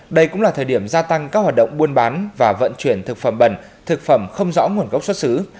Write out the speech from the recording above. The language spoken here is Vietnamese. đây cũng là thời điểm gia tăng các hoạt động buôn bán và vận chuyển thực phẩm bẩn thực phẩm không rõ nguồn gốc xuất xứ